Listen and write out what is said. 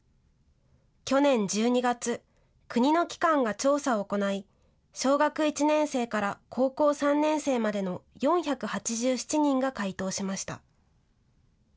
去年１２月、国の機関が調査を行い、小学１年生から高校３年生までの４８７人が回答しました。